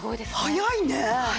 早いね。